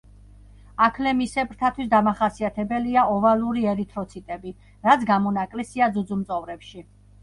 აქლემისებრთათვის დამახასიათებელია ოვალური ერითროციტები, რაც გამონაკლისია ძუძუმწოვრებში.